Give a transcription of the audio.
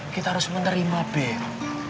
kita harus menerima beb